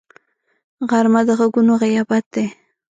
غرمه د غږونو غیابت دی